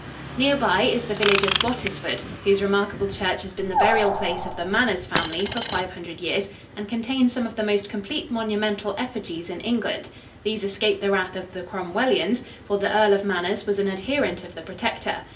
Near by is the village of Bottisford, whose remarkable church has been the burial place of the Manners family for five hundred years and contains some of the most complete monumental effigies in England. These escaped the wrath of the Cromwellians, for the Earl of Manners was an adherent of the Protector.